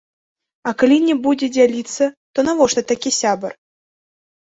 А калі не будзе дзяліцца, то навошта такі сябар?